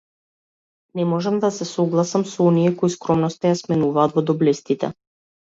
Не можам да се согласам со оние кои скромноста ја сместуваат во доблестите.